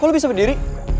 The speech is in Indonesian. kok lo bisa berdiri